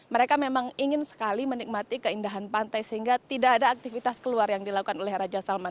mereka memang ingin sekali menikmati keindahan pantai sehingga tidak ada aktivitas keluar yang dilakukan oleh raja salman